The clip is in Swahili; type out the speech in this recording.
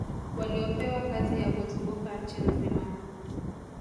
waliopewa kazi ya kuzunguka nchi nzima